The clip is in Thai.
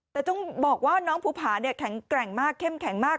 แต่ต้องบอกว่าน้องภูผาเนี่ยแข็งแกร่งมากเข้มแข็งมาก